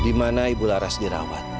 dimana ibu laras dirawat